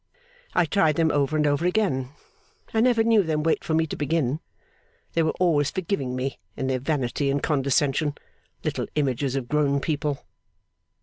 I tried them over and over again, and I never knew them wait for me to begin. They were always forgiving me, in their vanity and condescension. Little images of grown people!